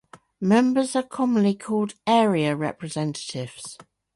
Members are commonly called Area Representatives.